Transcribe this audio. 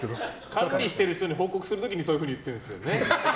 管理してる人に報告する時そういうふうに言ってるんですよね。